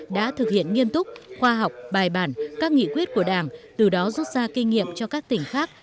đã thực hiện nghiêm túc khoa học bài bản các nghị quyết của đảng từ đó rút ra kinh nghiệm cho các tỉnh khác